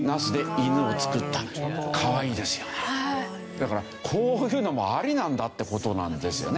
だからこういうのもありなんだって事なんですよね。